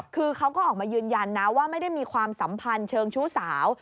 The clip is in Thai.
คือเขาก็ออกมายืนยันนะว่าไม่ได้มีความสัมพันธ์เชิงชู้สาว